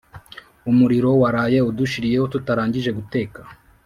umuriro waraye udushiriyeho tutarangije guteka